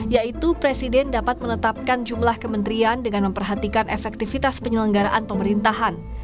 yaitu presiden dapat menetapkan jumlah kementerian dengan memperhatikan efektivitas penyelenggaraan pemerintahan